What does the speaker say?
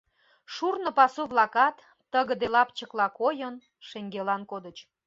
Шурно пасу-влакат, тыгыде лапчыкла койын, шеҥгелан кодыч.